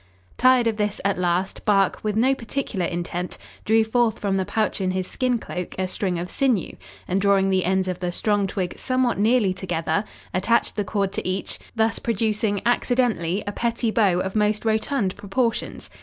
Tired of this, at last, Bark, with no particular intent, drew forth from the pouch in his skin cloak a string of sinew, and drawing the ends of the strong twig somewhat nearly together, attached the cord to each, thus producing accidentally a petty bow of most rotund proportions.